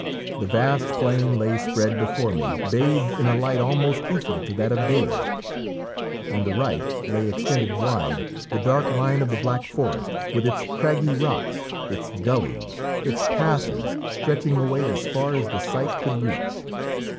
The vast plain lay spread before me bathed in a light almost equal to that of day. On the right lay extended wide the dark line of the Black Forest with its craggy rocks, its gullies, its passes stretching away as far as the sight could reach.